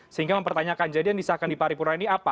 sehingga mempertanyakan jadinya disahkan di paripurna ini apa